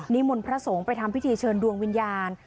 มนต์พระสงฆ์ไปทำพิธีเชิญดวงวิญญาณ